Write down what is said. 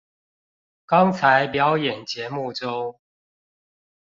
剛才表演節目中